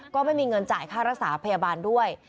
ก็ไม่มีเงินจ่ายค่ารักษาพยาบาลด้วย